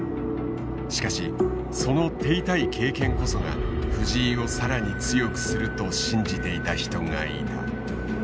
しかしその手痛い経験こそが藤井をさらに強くすると信じていた人がいた。